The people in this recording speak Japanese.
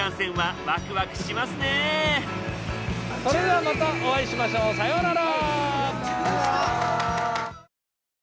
それではまたお会いしましょう。さようなら！